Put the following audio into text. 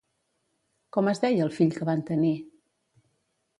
Com es deia el fill que van tenir?